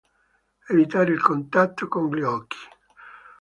Evitare il contatto con gli occhi.